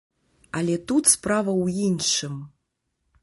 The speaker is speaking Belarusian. Але тут справа ў іншым.